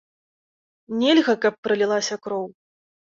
Нельга, каб пралілася кроў.